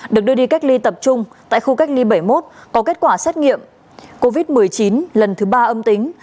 được đưa đi cách ly tập trung tại khu cách ly bảy mươi một có kết quả xét nghiệm covid một mươi chín lần thứ ba âm tính